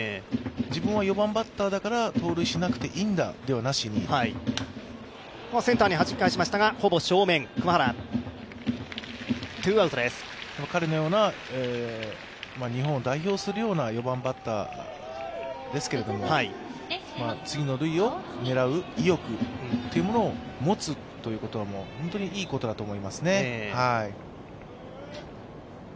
自分は４番バッターだから盗塁しなくていいんだではなしに彼のような日本を代表するような４番バッターですけれども、次の塁を狙う意欲を持つということは本当にいいことだと思いますね。